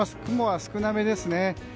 雲は少なめですね。